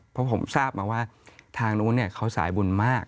เพราะผมทราบมาว่าทางนู้นเขาสายบุญมาก